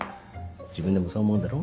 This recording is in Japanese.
自分でもそう思うだろ？